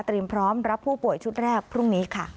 พร้อมรับผู้ป่วยชุดแรกพรุ่งนี้ค่ะ